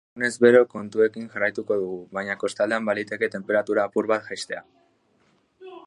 Egunez bero kontuekin jarraituko dugu, baina kostaldean baliteke tenperatura apur bat jaistea.